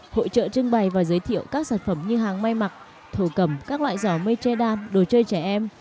hội trợ trưng bày và giới thiệu các sản phẩm như hàng may mặc thổ cầm các loại giỏ mây tre đam đồ chơi trẻ em